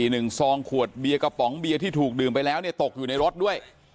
มีซองบุหรี่๑ซองขวดเบียกระป๋องเบียที่ถูกดื่มไปแล้วตกอยู่ในรถด้วย